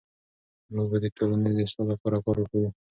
موږ به د ټولنې د اصلاح لپاره کار کوو.